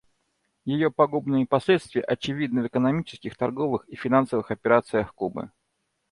Ее пагубные последствия очевидны в экономических, торговых и финансовых операциях Кубы.